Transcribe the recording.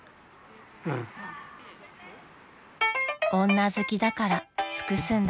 ［「女好きだから尽くすんだよ」］